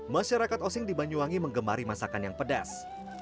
masyarakat ossing di banyuwangi menggemari masakan yang pedas